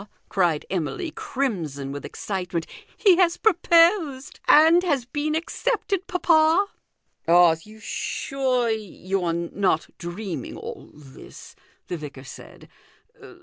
cried Emily, crimson with excitement, " he has proposed and has been accepted, papa." " Are you sure you are not dreaming all this?" the vicar said.